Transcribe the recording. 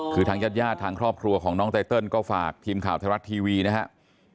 คือทางญาติญาติทางครอบครัวของน้องไตเติลก็ฝากทีมข่าวไทยรัฐทีวีนะครับ